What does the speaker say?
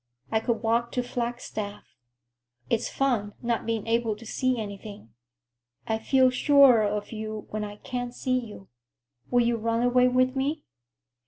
I could walk to Flagstaff. It's fun, not being able to see anything. I feel surer of you when I can't see you. Will you run away with me?"